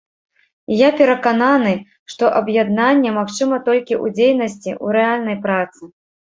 І я перакананы, што аб'яднанне магчыма толькі ў дзейнасці, у рэальнай працы.